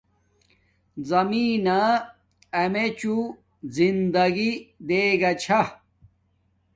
زمینن امیچوں زندگی دین گا چھا